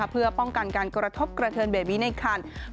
เพื่อป้องกันการกระทบกระเทินเบบีในคัน